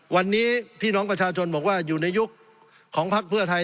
วันนี้พี่น้องประชาชนบอกว่าอยู่ในยุคของพักเพื่อไทย